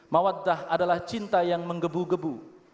mawaddah adalah cinta yang menggebu gebu